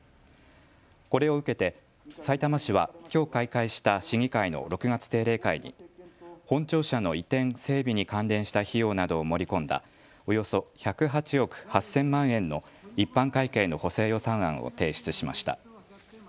これを受けて、さいたま市はきょう開会した市議会の６月定例会に本庁舎の移転・整備に関連した費用などを盛り込んだおよそ１０８億８０００万円の一般会計の補正予算案を提出しました。